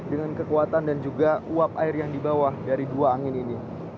dengan kekuatan dan juga uap air yang dibawa dari dua angin ini